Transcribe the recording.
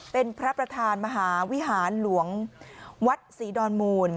เป็นพระประธานมหาวิหารหลวงวัดศรีดอนมูล